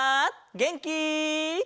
げんき？